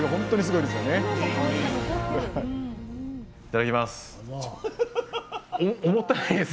いただきます！